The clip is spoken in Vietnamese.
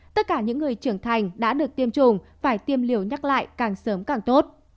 tất cả những người trưởng thành đã được tiêm chủng phải tiêm liều nhắc lại càng sớm càng tốt